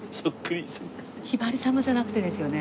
ひばりさんのじゃなくてですよね。